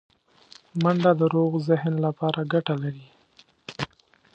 منډه د روغ ذهن لپاره ګټه لري